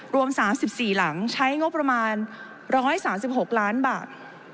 รวม๓๔หลังใช้งบประมาณ๑๓๖ล้านบาท